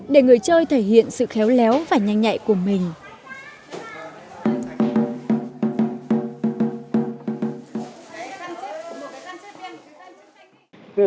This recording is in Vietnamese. để người chơi thể hiện sự khéo léo và nhanh nhạy của mình